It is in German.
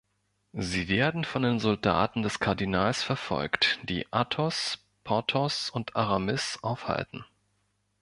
Sie werden von den Soldaten des Kardinals verfolgt, die Athos, Porthos und Aramis aufhalten.